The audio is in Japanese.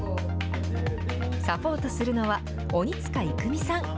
サポートするのは、鬼塚郁実さん。